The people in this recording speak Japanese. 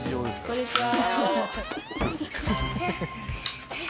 こんにちは。